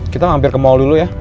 kita hampir ke mall dulu ya